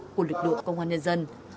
của lực lượng công an nhân dân